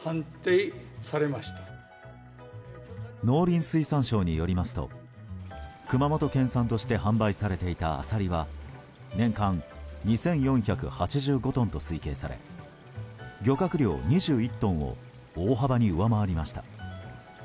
農林水産省によりますと熊本県産として販売されていたアサリは年間２４８５トンと推計され漁獲量２１トンを大幅に上回りました。